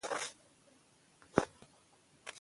زه دا کیسه له استاد څخه اورم.